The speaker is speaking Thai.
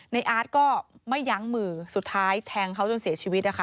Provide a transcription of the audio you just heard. อาร์ตก็ไม่ยั้งมือสุดท้ายแทงเขาจนเสียชีวิตนะคะ